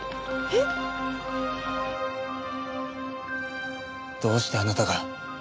えっ？どうしてあなたが？